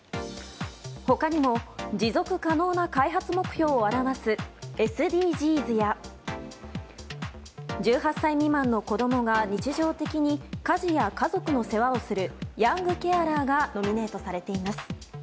他にも持続可能な開発目標を表すＳＤＧｓや１８歳未満の子供が日常的に家事や家族の世話をするヤングケアラーがノミネートされています。